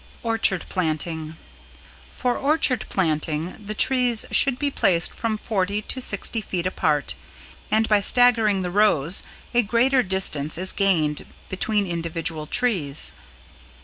[Sidenote: =Orchard Planting=] For orchard planting the trees should be placed from forty to sixty feet apart and by staggering the rows a greater distance is gained between individual trees.